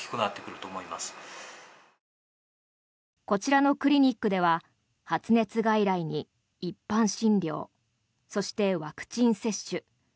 こちらのクリニックでは発熱外来に一般診療そしてワクチン接種。